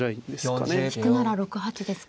引くなら６八ですか。